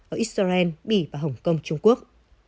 ở israel mỹ và hồng kông trung quốc